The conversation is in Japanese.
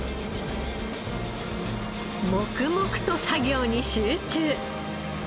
黙々と作業に集中。